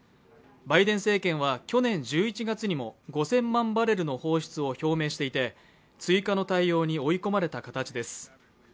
バイデン政権は去年１１月にも５０００万バレルの放出を表明していて追加の対応に追い込まれた形です。